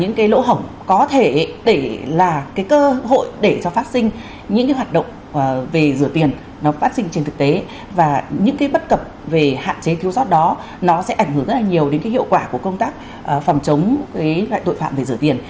những cái lỗ hổng có thể để là cái cơ hội để cho phát sinh những cái hoạt động về rửa tiền nó phát sinh trên thực tế và những cái bất cập về hạn chế thiếu sót đó nó sẽ ảnh hưởng rất là nhiều đến cái hiệu quả của công tác phòng chống cái loại tội phạm về rửa tiền